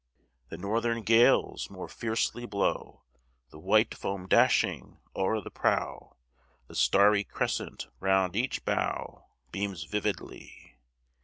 The northern gales more fiercely blow, The white foam dashing o'er the prow; The starry crescent round each bow Beams vividly.